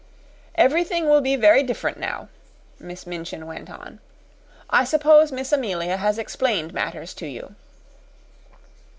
"Everything will be very different now," Miss Minchin went on. "I suppose Miss Amelia has explained matters to you."